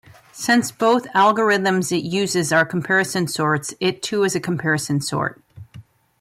Since both algorithms it uses are comparison sorts, it too is a comparison sort.